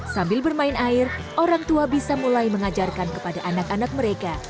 sambil bermain air orang tua bisa mulai mengajarkan kepada anak anak mereka